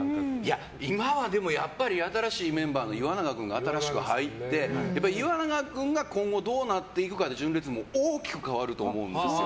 今は新しいメンバーの岩永君が新しく入って岩永君が今後、どうなっていくかで純烈は大きく変わると思うんですよ。